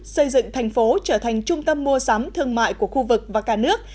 xây dựng thành phố trở thành trung tâm mua sắm thương mại của khu vực và cả nước